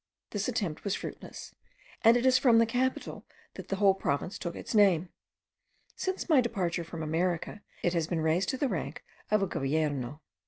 This attempt was fruitless; and it is from the capital that the whole province took its name. Since my departure from America, it has been raised to the rank of a Govierno.